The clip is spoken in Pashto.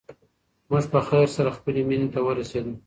موږ په خیر سره خپلې مېنې ته ورسېدو.